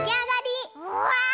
うわ！